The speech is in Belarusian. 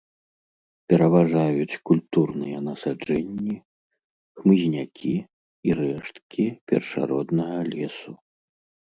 Пераважаюць культурныя насаджэнні, хмызнякі і рэшткі першароднага лесу.